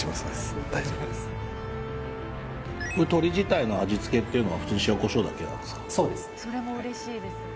鶏自体の味付けっていうのは普通に塩コショウだけなんですか？